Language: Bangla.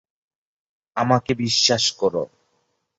আমাকে বিশ্বাস কর।